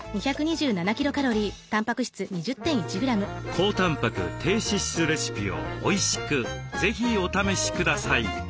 高たんぱく低脂質レシピをおいしく是非お試しください。